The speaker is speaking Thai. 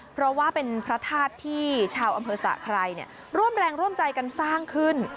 เพราะว่าเป็นพระธาตุที่ชาวอำเภอสะไครร่วมแรงร่วมใจกันสร้างขึ้น